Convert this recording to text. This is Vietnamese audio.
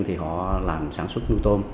thì họ làm sản xuất nuôi tôm